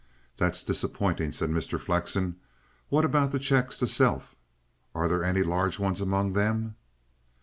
"That's disappointing," said Mr. Flexen. "What about the cheques to 'Self'? Are there any large ones among them?"